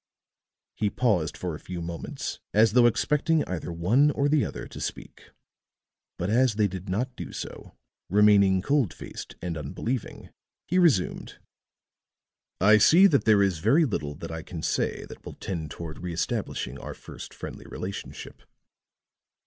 He paused for a few moments as though expecting either one or the other to speak; but as they did not do so, remaining cold faced and unbelieving, he resumed: "I see that there is very little that I can say that will tend toward reëstablishing our first friendly relationship.